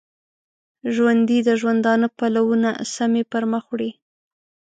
ژوندي د ژوندانه پلونه سمی پرمخ وړي